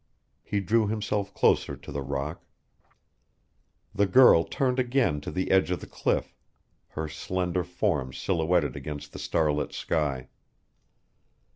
He drew himself closer to the rock. The girl turned again to the edge of the cliff, her slender form silhouetted against the starlit sky.